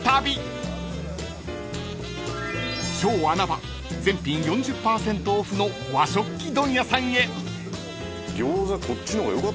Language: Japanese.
［超穴場全品４０％オフの和食器問屋さんへ］